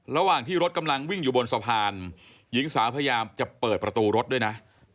ระหว่างที่รถกำลังวิ่งอยู่บนสะพานหญิงสาวพยายามจะเปิดประตูรถด้วยนะ